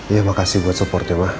iya makasih buat supportnya